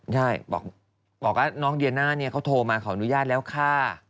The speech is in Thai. ใช่บอกว่าน้องเดียน่าเนี่ยเขาโทรมาขออนุญาตแล้วค่ะ